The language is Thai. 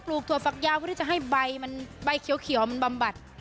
หรือก็ปลูกถั่วฟักยาวเพื่อที่จะให้ใบเขียวมันบำบัด